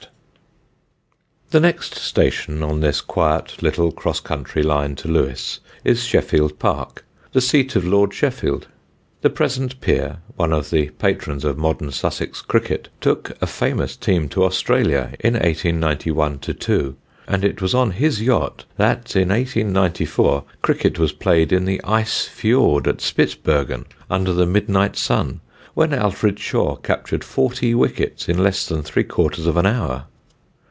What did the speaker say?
[Sidenote: SHEFFIELD PARK] The next station on this quiet little cross country line to Lewes, is Sheffield Park, the seat of Lord Sheffield. The present peer, one of the patrons of modern Sussex cricket, took a famous team to Australia in 1891 2, and it was on his yacht that in 1894 cricket was played in the Ice Fiord at Spitzbergen under the midnight sun, when Alfred Shaw captured forty wickets in less than three quarters of an hour.